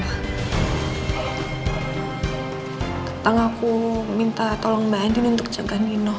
tentang aku minta tolong mbak adin untuk jaga nino